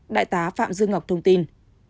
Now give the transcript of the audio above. đại tá phạm dương ngọc thông tin